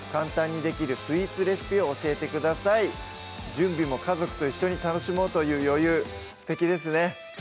準備も家族と一緒に楽しもうという余裕すてきですね